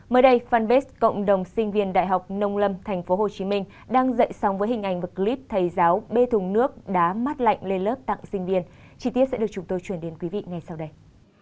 mới đây fanpage cộng đồng sinh viên đại học nông lâm tp hcm đang dạy song với hình ảnh một clip thầy giáo bê thùng nước đá mát lạnh lên lớp tặng sinh viên chi tiết sẽ được chúng tôi chuyển đến quý vị ngay sau đây